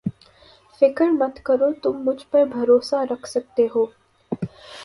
فکر مت کرو تم مجھ پر بھروسہ کر سکتے ہو